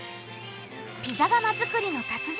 ピザ窯作りの達人